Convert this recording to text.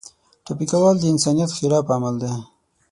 ټپي کول د انسانیت خلاف عمل دی.